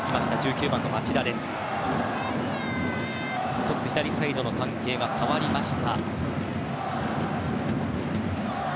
１つ、左サイドバックの関係が変わりました。